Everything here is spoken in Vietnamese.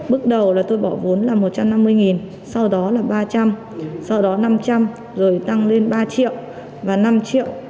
bước đầu là tôi bỏ vốn là một trăm năm mươi sau đó là ba trăm linh sau đó năm trăm linh rồi tăng lên ba triệu và năm triệu